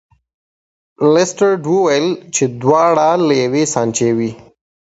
لیسټرډ وویل چې دواړه له یوې سانچې وې.